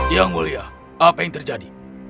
yang mulia apa yang terjadi